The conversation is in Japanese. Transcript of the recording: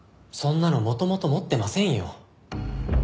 そんなの元々持ってませんよ。